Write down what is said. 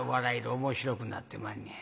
面白くなってまんねん。